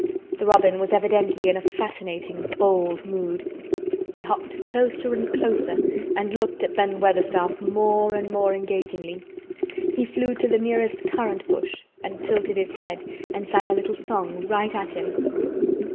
The robin was evidently in a fascinating, bold mood. He hopped closer and closer and looked at Ben Weatherstaff more and more engagingly. He flew on to the nearest currant bush and tilted his head and sang a little song right at him.